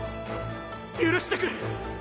許してくれ！